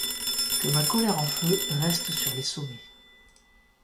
Que ma colère en feu reste sur les sommets